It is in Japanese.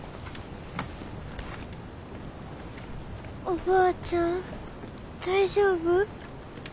おばあちゃん大丈夫？